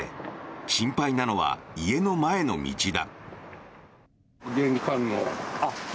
心配なのは家の前の道だ。